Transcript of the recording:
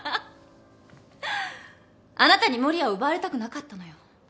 あなたに守谷を奪われたくなかったのよ。